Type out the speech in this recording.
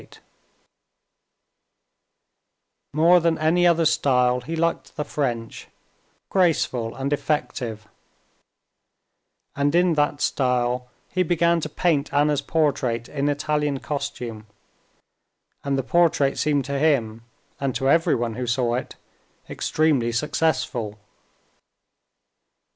More than any other style he liked the French—graceful and effective—and in that style he began to paint Anna's portrait in Italian costume, and the portrait seemed to him, and to everyone who saw it, extremely successful.